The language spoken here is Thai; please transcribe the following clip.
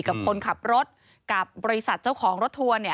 กับคนขับรถกับบริษัทเจ้าของรถทัวร์